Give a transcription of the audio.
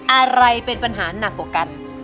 อะไรเป็นปัญหาหนักกว่ากัน